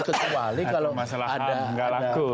ada masalah hal nggak laku